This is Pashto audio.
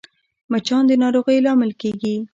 مچان د ناروغیو لامل کېږي